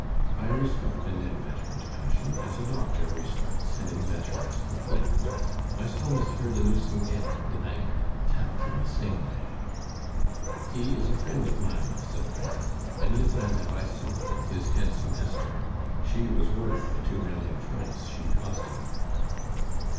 I respect an inveterate passion, as a doctor respects an inveterate complaint. I saw Monsieur de Nucingen, the banker, attacked in the same way " "He is a friend of mine," said the Baron. "Many a time have I supped with his handsome Esther. She was worth the two million francs she cost him."